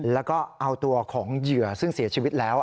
แล้วก็เอาตัวของเหยื่อซึ่งเสียชีวิตแล้ว